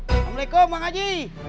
assalamualaikum bang haji